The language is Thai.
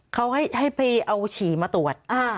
เขาให้ไปเอาฉี่มาตรวจ